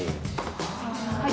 はい。